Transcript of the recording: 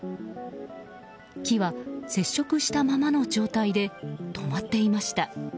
木は接触したままの状態で止まっていました。